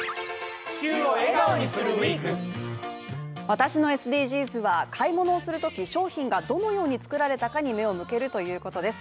私のＳＤＧｓは買い物をするとき、商品がどのように作られたかに目を向けるということです。